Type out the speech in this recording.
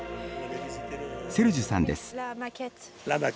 セルジュさんです。